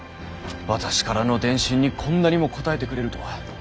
私からの電信にこんなにも応えてくれるとは。